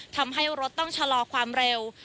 ทำให้รถต้องชะลอความเร็ว